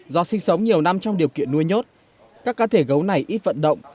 do sinh sống nhiều năm trong điều kiện nuôi nhốt các cá thể gấu này ít vận động